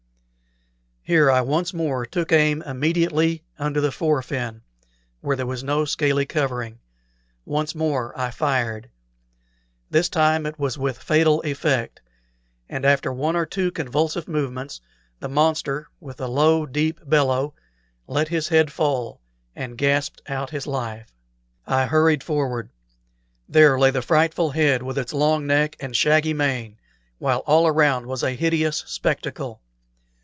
Here I once more took aim immediately under the fore fin, where there was no scaly covering. Once more I fired. This time it was with fatal effect; and after one or two convulsive movements the monster, with a low, deep bellow, let his head fall and gasped out his life. I hurried forward. There lay the frightful head, with its long neck and shaggy mane, while all around was a hideous spectacle.